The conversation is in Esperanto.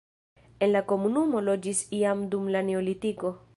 En la komunumo loĝis jam dum la neolitiko.